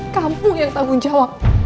kamu yang tanggung jawab